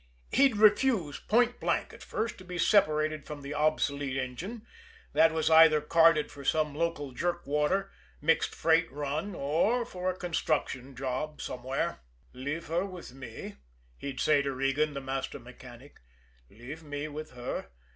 He'd refuse point blank at first to be separated from the obsolete engine, that was either carded for some local jerk water, mixed freight run, or for a construction job somewhere. "Leave her with me," he'd say to Regan, the master mechanic. "Leave me with her.